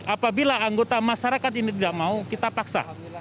apabila anggota masyarakat ini tidak mau kita paksa